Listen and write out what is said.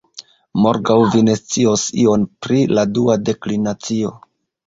Morgaŭ vi ne scios ion pri la dua deklinacio.